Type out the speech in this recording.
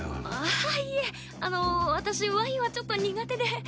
あっいえあの私ワインはちょっと苦手で。